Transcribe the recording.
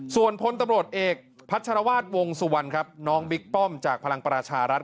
ส่วนพลตำรวจเอกพัชรวาสวงสุวรรณครับน้องบิ๊กป้อมจากพลังประชารัฐ